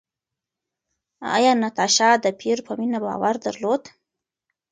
ایا ناتاشا د پییر په مینه باور درلود؟